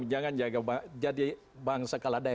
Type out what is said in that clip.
jangan jadi bangsa kalade